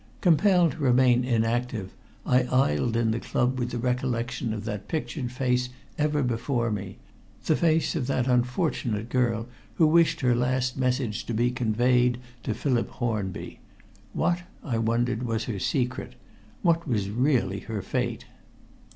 Compelled to remain inactive, I idled in the club with the recollection of that pictured face ever before me the face of the unfortunate girl who wished her last message to be conveyed to Philip Hornby. What, I wondered, was her secret? What was really her fate?